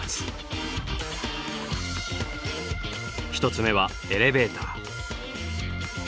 １つ目はエレベーター。